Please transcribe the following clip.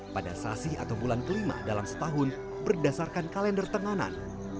pada sasih atau bulan kelima dalam setahun berdasarkan kalender tenganan